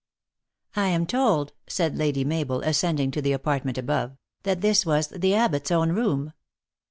"I am told," said Lady Mabel, ascending to the apartment above, " that this was the abbot s own room."